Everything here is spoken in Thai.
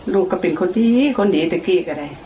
ลูกก็เป็นคนดีคนดีแต่พี่ก็ได้